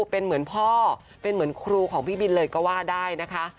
เป็นเหมือนพ่อเป็นเหมือนครูของพี่บินเลยก็ว่าได้นะคะ